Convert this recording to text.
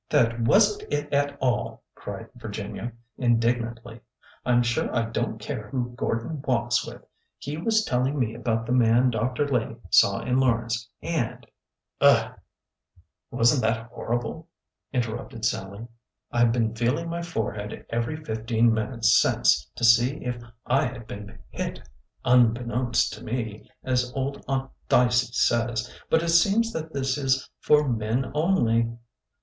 ^^ That was n't it at all !" cried Virginia, indignantlyo "" I 'm sure I don't care who Gordon walks with ! He THE SINGLE AIM 13 was telling me about the man Dr. Lay saw in Lawrence, and '^" Ugh ! was n't that horrible !" interrupted Sallie. I Ve been feeling my forehead every fifteen minutes since, to see if I had been hit ' unbeknownst ' to me, as old Aunt Dicey says. But it seems that this is ' for men only.'